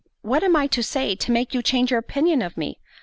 What am I to say, to make you change your opinion of me?